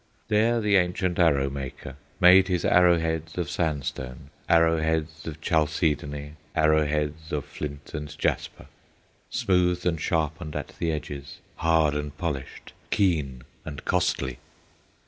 There the ancient Arrow maker Made his arrow heads of sandstone, Arrow heads of chalcedony, Arrow heads of flint and jasper, Smoothed and sharpened at the edges, Hard and polished, keen and costly.